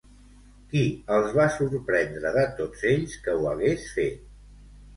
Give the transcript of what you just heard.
Qui els va sorprendre de tots ells que ho hagués fet?